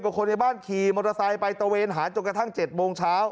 คนในบ้านขี่มอเตอร์ไซค์ไปตะเวนหาจนกระทั่ง๗โมงเช้า